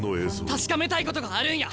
確かめたいことがあるんや！